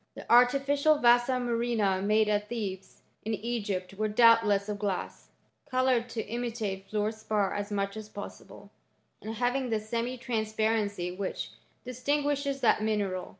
* The artificial vasa murrhina made at Thebes, in Egypt, were doubtless of glass, coloured to imi tate fluor spar as much as possible, and having tha semi transparency which distinguishes that mineral.